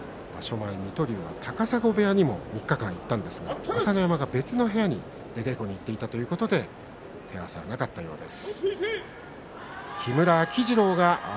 前、水戸龍は高砂部屋にも３日間行ったんですが朝乃山が別の部屋に出稽古に行っていたということで手合わせはなかったようです。